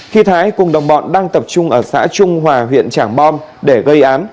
khi thái cùng đồng bọn đang tập trung ở xã trung hòa huyện trảng bom để gây án